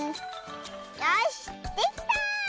よしできた！